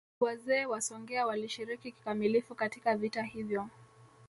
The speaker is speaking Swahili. Wazee wa Songea walishiriki kikamilifu katika vita hivyo